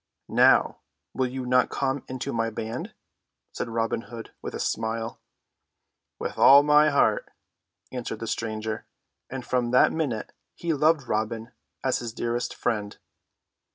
"Now, will you not come into my band?" said Robin Hood with a smile. "With all my heart," answered the stranger; and from that minute he loved Robin as his dearest friend.